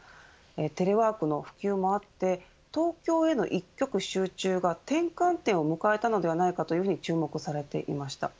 テレワークの普及もあって東京への一極集中が転換点を迎えたのではないかというふうに注目されていました。